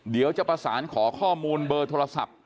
เดี๋ยวจะประสานขอข้อมูลเบอร์โทรศัพท์